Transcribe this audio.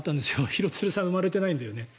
廣津留さん生まれてないんだよね。